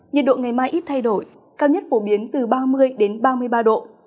nhiệt độ ngày mai ít thay đổi cao nhất phổ biến từ ba mươi đến ba mươi ba độ